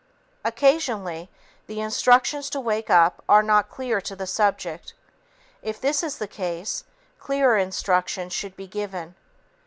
Occasionally, the instructions to wake up are not clear to the subject. If this is the case, clearer instructions should be given.